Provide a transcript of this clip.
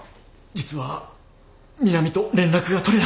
実は美南と連絡が取れなくて。